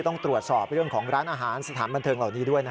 ต้องตรวจสอบเรื่องของร้านอาหารสถานบันเทิงเหล่านี้ด้วยนะ